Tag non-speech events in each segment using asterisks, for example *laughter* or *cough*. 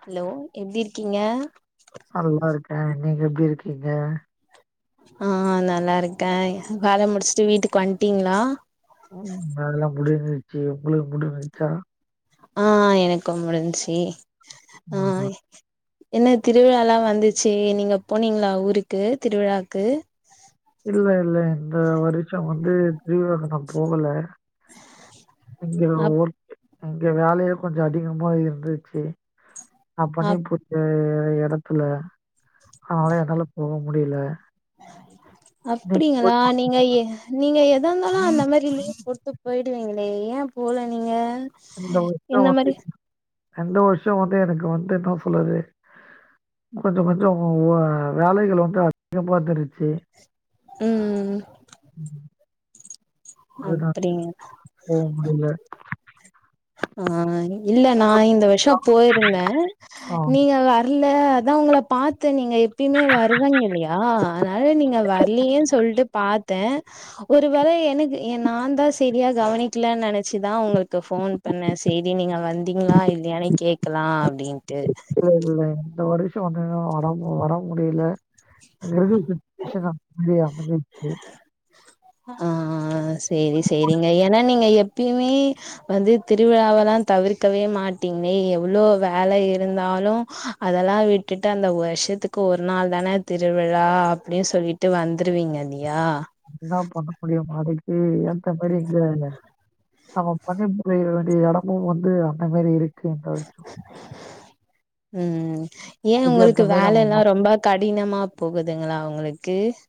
Hello எப்டி இருக்கிங்க டி இருக்கிங்க ஆ நல்லாருக்கே வேல முடிச்ட்டு வீட்டுக்கு வன்ட்டிங்ளா ம் அதல்லா முடிஞ்சிருச்சு உங்குளுக்கு முடிஞ்சிருச்சா ஆ எனக்கும் முடிஞ்ச்சு ஆ ஆமா. என்ன திருவிழாலா வந்துச்சு நீங்க போனிங்ளா ஊருக்கு திருவிழாக்கு இல்ல இல்ல இந்த வருஷ வந்து திருவிழாக்கு நா போகல இங்க அப் ஒர்க் இங்க வேலயே கொஞ்ச அதிகமா இருந்துச்சு அப்பனே அப் புத்த ந்த எடத்துல அதனால என்னால போக முடில அப்டிங்களா வாங்க. நீங்க எ நீங்க எ தா இருந்தாலு அந்த மாரி லீவ் போட்டு போயிடுவிங்களே ஏ போல நீங்க இந்த மாரி ரண்டு வருஷ வந்து எனக்கு வந்து என்ன சொல்றது கொஞ்ச கொஞ்ச வேலைகள் வந்து அதிகமா தெருஞ்ச்சு ம் ம் ம் அதுதா போக முடில ஆ இல்ல நா இந்த வருச போயிருந்த ஆ. நீங்க வர்ல அதா உங்கள பாத் நீங்க எப்பயுமே வருவேங்க இல்லையா அதனால நீங்க வர்லியேன்னு சொல்ட்டு பாத்த ஒரு வேள எ னுக்கு எ நாதா செரியா கவனிக்ல நெனச்சுதா உங்குளுக்கு ஃபோ பண்ண சேதி நீங்க வந்தீங்ளா இல்லையானே கேக்கலா அப்டின்ட்டு சு வந்து வரவு வரவு முடில கிரகு வி விருச்சக இல்லையா *unintelligible* ஆ செரி செரிங்க ஏனா நீங்க எப் எப்யுமே வந்து திருவிழாவெல்லா தவிர்க்கவே மாட்டீங்லே எவ்ளோ வேல இருந்தாலோ அதெல்லா விட்டுட்டு அந்த வர்ஷத்துக்கு ஒரு நாள் தானே திருவிழா அப்டியு சொல்லிட்டு வந்துருவீங்க இல்லியா என்னா பண்ண முடியும் நாளைக்கு எ தம் மறுவடியு எங்க வேல நம்ம பணி புரியிற வேண்டிய எடமு வந்து அந்த மாரி இருக்கு இந்த வருஷோ ம் ஏ உங்குளுக்கு மாரி நம்ம வேலலா மா ரொம்ப கடினமா போகுதுங்களா உங்குளு கேஸ்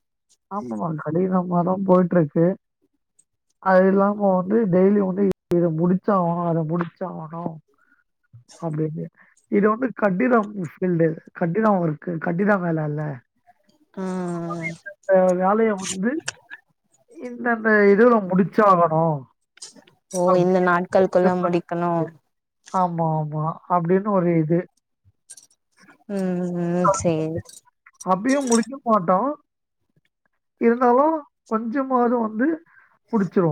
சுமாரா போயிட்டுருக்கு அது இல்லாமோ வந்து டெய்லியு வந்து இத முடிச்சாவனு அத முடிச்சாவனு அப்டின்னு இது வந்து கட்டிதம் பீல்ட்டு கட்டினமா ஒர்க்கு கட்டித வேலல்லே ஆ ஏ வேலைய வந்து இந்தந்த இதுவுல முடிச்சாவணோ ஓ இந்த நாட்கள் குள்ள முடிக்கணோ ஆமா ஆமா அப்டின்னு ஒரு இது ம் ம் சேரி அப்டியு முடிக்க மாட்டோ இருந்தாலு கொஞ்சமாது வந்து புடிச்சிர்வோ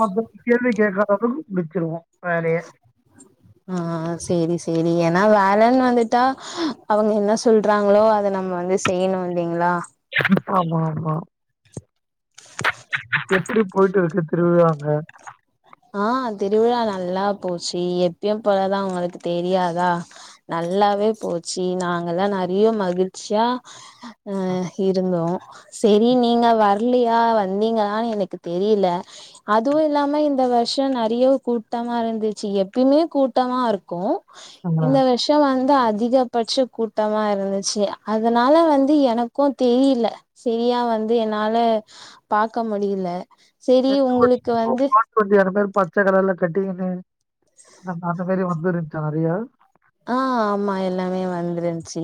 மத்த கேள்வி கேக்காத அளவுக்கு முடிச்சிருவோ வேலையே செரி செரிய ஏனா வேலன் வந்துட்டா அவுங்க என்னா சொல்றாங்களோ அத நம்ம வந்து செய்யணு இல்லிங்ளா ஆமா ஆமா எப்பிடி போயிட்டுருக்கு திருவிழா அங்க ஆ திருவிழா நல்லா போச்சு எப்யு போலாதா உங்களுக்கு தெரியாதா நல்லாவே போச்சு நாங்கல்லா நெறையோ மகிழ்ச்சியா அ இருந்தோ செரி நீங்க வர்லியா வந்தீங்களானு எனக்கு தெரில அதுவு இல்லாம இ த வர்ஷோ நெறையோ கூட்டமா இருந்துச்சு எப்யுமே கூட்டமா இருக்கோ ஆ. இந்த வர்ஷோ வந் த அதிகபட்ச கூட்டமா இருந்துச்சு அதனால வந்து எனக்கோ தெரில செரியா வந்து என்னால பாக்க முடில செரி உங்குளுக்கு வந்து வெரு பச்ச கலர்ல கட்டிக்கினு அ அந்த மாரி வந்துருந்ச்சா நெறைய ச்சி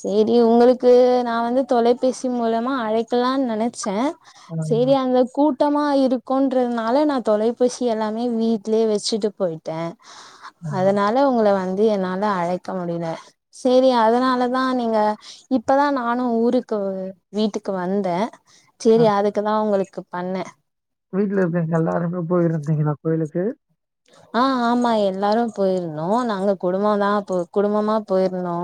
செரி உங்களுக்கு நா வந்து தொலைபேசி மூலமா அழைக்கலா நெனச்சே ஆ, செரி அந்த கூட் டமா இருக்கோன்றனால நா தொலைபேசி எல்லாமே வீட்லே வெச்சுட்டு போயிட்டே ஆமா. அதனால உங்கள வந் து என்னால அழைக்க முடியில சேரி அதுனால தா நீங்க இப்பதா நானு ஊருக்கூ வீட்டுக்கு வந்த அ சேரி அதுக்குதா உங்களுக்கு பண்ண வீட்ல இருக்கவங்க எல்லாருமே *unintelligible* கோயிலுக்கு ஆ ஆமா எல்லாரும் போயிருந்தோ நாங்க குடும்பமா போ குடும்பமா போய்ருந்தோ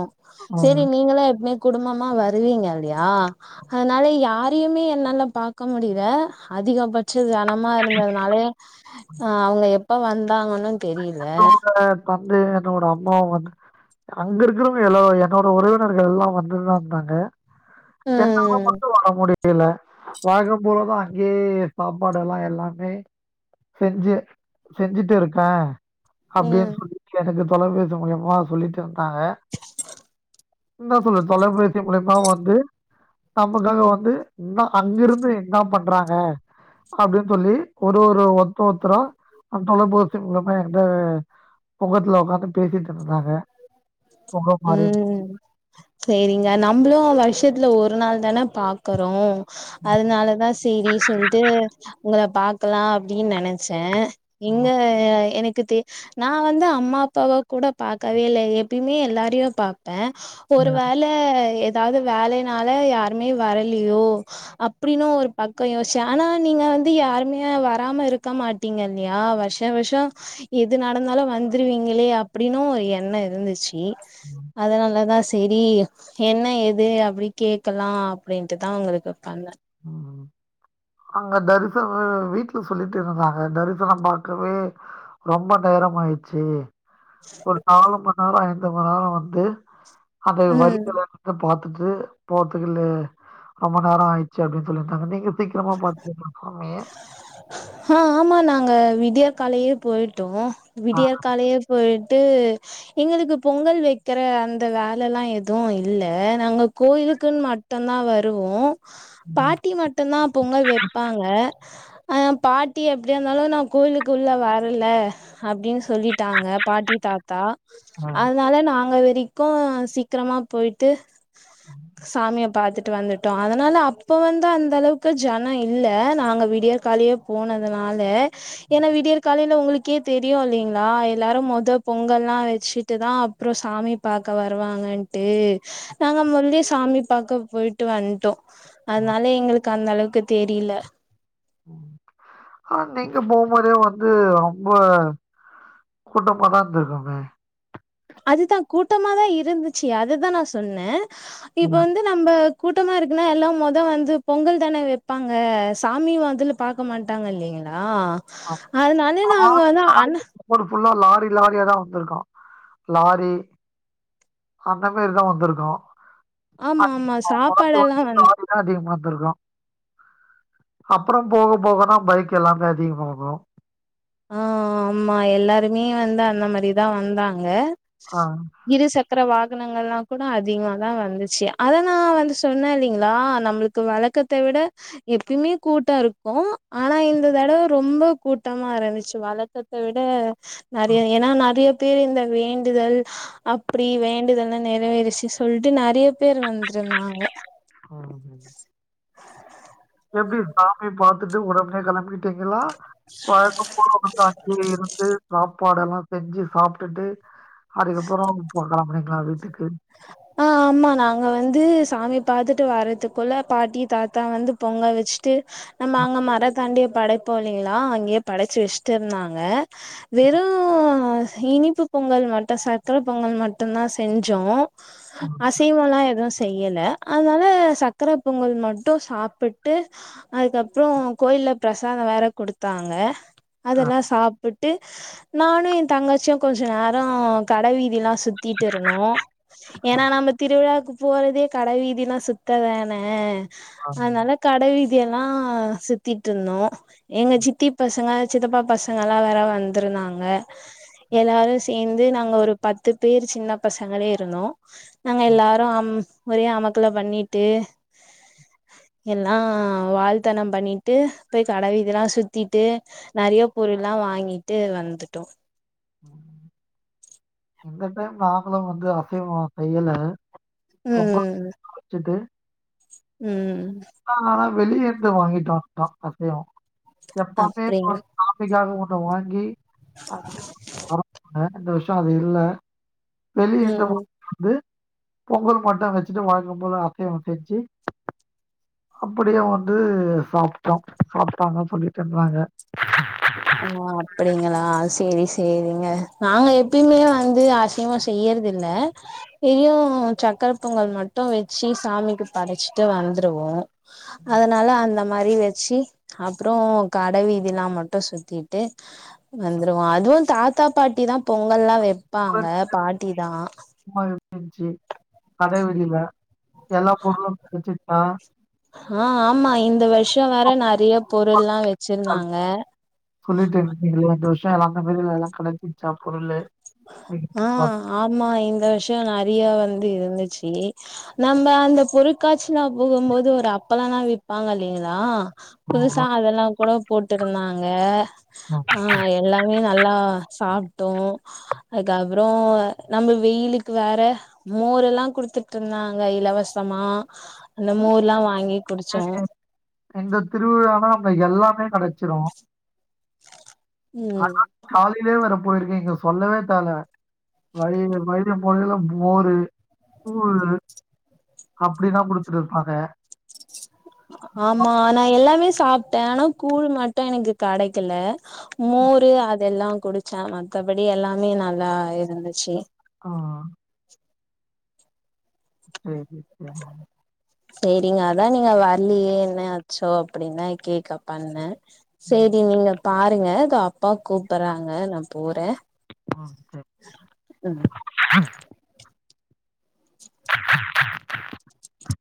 ஆ. சேரி நீங்களா எப்மே குடும்பமா வருவீங்கல்லையா அதுனால யாரையுமே என்னால பாக்க முடில அதிகப்பட் சொ ஜனமா இருந்தத்னாலே ஆ அவ்ங்க எப் ப்போ வந்தாங்கன் ஆ ஆ தந்தைய என்னோட அம்மாவு வந்து அங்க இருக்குறவங்க எல்லோ என்னோட உறவினர்கள்லா வந்துட்தா இருந்தாங்க என்னால ம் மட்டு வர முடி யில வழக்கம் போலதா அங்க்யே சாப்பாடெல்லா எல்லாமே செஞ்சு செஞ்சுட்டு இருக் ஆ அப்டின் ம் சொல்லிட்டு எனக்கு தொலைபேசி மூல்யமா சொல்லிட்ருந்தாங்க என்னா சொல்லு தொலைபேசி மூல்யமா வந்து நமக்காக வந்து என்னா அங்கிருந்து என்னா பண்றாங்க அப்டின் சொல்லி ஒரு ஒரு ஒர்த்து ஒத்தரா அ தொலைபே சி மூல்யமா எந்த பொங்கத்துல ஒக்காந்து பேசியிட்ருந்தந்தாங்க ம் சேரிங்க நம்ப்ளு வர்ஷ் ஷத்ல ஒரு நாள் தான பாக்கறோ அதுனாலதா சேரி சொல்ட்டு உங்கள பாக்கலா அப்டின் நெனச்ச இங்க ம். எனக் கு தெ நா வந்து அம்மா அப்பாவ கூட பாக்கவே இல்ல எப்பைமே எல்லா ரியு பா ப்ப ஒரு வேல எ தாவ்து வேலைனால யாருமே வரலியோ அப்டின்னு ஒரு பக்கொ யோஷ்ச்ச ஆனா நீங்க வந்து யாருமே வராம இருக்க மாட்டீங்க இல்லையா வர்ஷா வர்ஷொ எது நடந்தாலு வந்துருவீங்களே அப்டின்னு ஒரு எண்ணொ இருந்துச்சி ம். அதுனாலதா சேரி என்ன ஏது அப்டி கேக்கலா அப்டின்ட்டுதா உங்களுக்கு பண்ண ம் அங்க தரிசொ வீட்ல சொல்லிட்டு இருந்தாங்க தரிசனம் பாக்கவே ரொம்ப நேரம் ஆயிச்சி ஒரு நாலு மண் நேரொ ஐந்து மண்ணேரொ வந்து அது ம் வரிசைல வந்துட்டு பாத் துட்டு போறத்துக்கு லே ரொம்ப நேரொ ஆயி ச்சி அப்டின் சொல்லியிருந்தாங்க நீங்க சீக்கிரமா *unintelligible* ஹா ஆமா நாங்க விடிய காலைல போய்ட்டோ ஆ விடிய காலயே போய் ட்டு எங்களுக்கு பொங்கல் வைக்கிற அந்த வேலல்லா எதுவு இல்ல நாங்க கோயிலுக்குன் மட்டுந்தா வருவோ ம் பாட்டி மட்டுந்தா பொங்கல் வப்பாங்க ஆ பாட்டி எப்டியா இருந்தாலு நா கோயிலுக்குள்ள வரல அப்டின் சொல்லிட்டாங்க பாட்டி தாத்தா ம். அதனால நாங்க வரைக்கு சீக்கிரமா போய்ட்டு சாமிய பாத்துட் வந்துட்டோ அதனால அப்ப வந்து அந்தளவுக்கு ஜன இல்ல அ நாங்க வீடியகாலயே போனதுனால ஏன்னா விடியல் காலையில *unintelligible* க்கே தெரியு இல்லிங்களா எல்லாரு மொதோ பொங்கல்லா வச்சுட்டு தா அப்புற சாமி பாக்க வருவாங்கன்ட்டு நாங்க முந்தியே சாமி பாக்க போய்ட்டு வன் அதனால எ *inaudible* க்கு அந்தளவுக்கு தெரில ம் ஆனா நீங்க போகும் போதே வந்து ரொம்ப கூட்டமாதா இருந்திருக்காமே அதுதா கூட்டமாதா இருந்துச்சு அதுதா நா சொன்னே இப்ப ம். வந்து நம்ப கூட்டமா இருக்குன்னா எல்லா மொத வந்து பொங்கல் தான வப்பாங்க சாமியு வந்துல பாக்க மாட்டாங்க இல்லைங்களா ஆ அதனாலே நாங்க வந்து அண்ண ரோடு ஃபுல்லா லாரி லாரியாதா வந்திருக்கா லாரி அந்த மாரிதா வந்திருக்கா ஆமா ஆமா சாப்பாடு எல்லா வந் இருக்கோ அப்புற போக போக தா பைக் எல்லாமே அதிகமாகு ம் ஆமா எல்லாருமே வந்து அந்த மாரிதா வந்தாங்க ஆ இரு சக்கர வா ணங்கலா கூட அதிகமாதா வந்துச்சு அத நா வந்து சொன்னே இல்லலிங்களா நம்மளுக்கு வழக்கத்த விட எப்பியுமே கூட்ட இருக்கு ஆனா இந்த தடவ ரொம்ப கூட்டமா இருந்து ச்சு வழக்கத்த விட நெறைய ம் ஏன்னா நெறைய பிரிந்த வேண்டுதல் அப்டி வேண்டுதல்லா நெறைவேறிச்சு சொல்லிட்டு நெறைய பேர் வந்துருந்தாங்க ம். எப்டி சாமி பாத் த்துட்டு உடனே கெளம்பி பாத்திங்களா வழக்க போல வந்து அங்கே இருந்து சாப்பாடு எல்லா செஞ்சு சாப்டுட்டு அதுக்கப்பறோ போகலாமே நா வீட்டுக்கு ஆ ஆமா நாங்க வந்து சாமி பாத்துட்டு வரத்துக்குள்ள பாட்டி தாத்தா வந்து பொங்கல் வெச்சுட்டு நம்ம அங்க மர தாண்டி படைப்போ இல்லைங்களா அங்கேயே படச்சு வச்சுட்டு இருந்தாங்க வெறு இனிப்பு பொங்கல் மட்டு சக்கர பொங்கல் மட்டுதா செஞ்சோ அசைவோலா எதுவு செய்யலே அதனால சக்கர பொங்கல் மட்டு சாப்புட்டு அதுக்கப்புறோ கோயில்ல பிரசாதோ வேற கொடுத்தாங்க ஆ அதெல்லா சாப்புட் டு நானு எ தங்கச்சியு கொஞ்ச நேரோ கட வீதியெல்லா சு த்திட் இருந்தோ ஏனா நம்ம திருவிழாக்கு போறதே கட வீதி எல்லா சுத்த தானே ஆ. அனால கட வீ தி எல்லா சுத்திட் இருந்தோ எங்க சித்தி பசங்க சித்தப்பா பசங்க எல்லா வேற வந்துருந்தாங்க எல்லாரு சேந்து நாங்க ஒரு பத்து பேர் சின்ன பசங்களே இருந்தோ நாங்க எல்லாரு ஆம் ஒரே அமக்கல பண்ணிட்டு எல்லா வால்தன பண்ணிட்டு போய் கடவீதி எல்லா சுத்திட்டு நெறைய பொருள் எல்லா வாங்கிட்டு வந்துட்டோ இந்த டைம் நாங்களு வந்து அசைவோ செய்யல பொங்கல் ம் வெச்சுட்டு ம் ஆ வெளியே இருந்து வாங்கிட்டோ *unintelligible* அசைவோ எப்போமே அப்டிங்க நாங் சாமிக்காக ஒன் வாங்கி *inaudible* இந்த வருஷோ அது இல்ல வெளிய இருந்து ம் வா *inaudible* வந்து பொங்கல் மட்டு வெச்சிட்டு வழக்கம் போல அசைவோ செஞ்சு அப்பிடியே வந்து சாப்ட்டோ சாப்ட்டாங்க சொல்லிட்டுருந்தாங்க ஓ அப்டிங்களா செரி சேரிங்க நாங்க எப்பயுமே வந்து அசைவோ செய்யறதில்ல எப்பயூ சக்கர பொங்கல் மட்டு வெச்சு சாமிக்கு படச்சுட்டு வந்துருவோ அதனால அந்த மாரி வச்சு அப்புறோ கடவீதி எல்லா மட்டு சுத் த்திட்டு வந்துருவோ அதுவு தாத்தா பாட்டி தா பொங்கல்லா வெப் ப்பாங்க பாட்டி தா ன்ச்சு கட வெளியில எல்லாப் பொருளு கெடச்சுட்டா ஆ ஆமா இந்த வரு ஷோ வேற நெறைய கிடைச்சுச்சா பொருள்லா வெச்சிருந்தாங்க சொல்லிட்டு இருந்தீங்களே இந்த அந்த மாரி இதல்லா கெடச்சிச்சா பொருளு ஆ ஆமா இந்த வருஷ நெறையா வந் து இருந்துச்சி நம்ம அந்த பொருட்காட்சிலா போகும்போது ஒரு அப்பளல்லா விப்பாங்க இல்லைங்களா புதுசா அதெல்லா கூட போட்டிருந்தாங்க ஆ எல்லாமே தா நல்லா சாப்ட்டோ அதுக்கப்ற நம்ம வெயிலுக்கு வேற மோரெல்லா குடுத்துட்ருந்தாங்க இலவசமா அந்த ம் மோர்லா வாங்கி குடிச்சோ இந்தத் திருவிழானா நம்ப எல்லாமே கெடைச்சிரு ம் ஆன காலலே வேற போயிருக்கிங்க சொல்லவே தேவல வழில வழில போகேல மோரு கூழு அப்படில்லா குடுத்துட்டு இருப்பாங்க சாப்ட்ட ஆனா கூழ் மட்டு எனக்கு கெடைக்கல மோரு அதெல்லா குடிச்சே மத்தபடி எல்லாமே நல்லா இருந்துச்சு ஆ *unintelligible* சேரிங்க அதா நீங்க வர்லியே என்னாச்சோ அப்பிடின்னு கேக்கப் பண்ண சேரி நீங்க பாருங்க இதோ அப்பா கூப்பறாங்க நா போற ஆ செர்